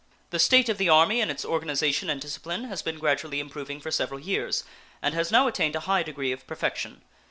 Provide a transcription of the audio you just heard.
The state of the Army in its organization and discipline has been gradually improving for several years, and has now attained a high degree of perfection.